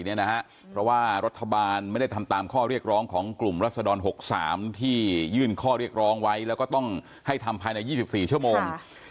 เพราะว่ารัฐบาลไม่ได้ทำตามข้อเรียกร้องของกลุ่มรัศดร๖๓ที่ยื่นข้อเรียกร้องไว้แล้วก็ต้องให้ทำภายใน๒๔ชั่วโมง